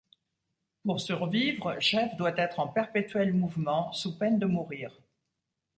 Pour survivre, Chev doit être en perpétuel mouvement sous peine de mourir.